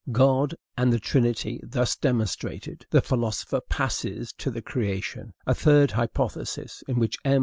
God and the Trinity thus DEMONSTRATED, the philosopher passes to the creation, a third hypothesis, in which M.